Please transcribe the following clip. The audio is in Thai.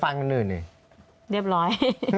เรียบร้อย